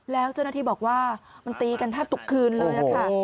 แล้วเจ้าหน้าที่บอกว่ามันตีกันแทบทุกคืนเลยค่ะ